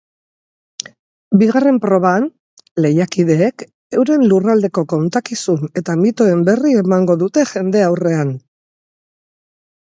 Bigarren proban, lehiakideek euren lurraldeko kontakizun eta mitoen berri emango dute jendaurrean.